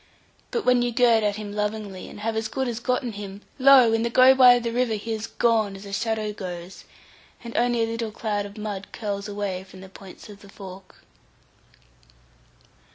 But when you gird at him lovingly, and have as good as gotten him, lo! in the go by of the river he is gone as a shadow goes, and only a little cloud of mud curls away from the points of the fork.